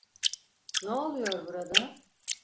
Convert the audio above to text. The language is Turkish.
N'oluyor burada?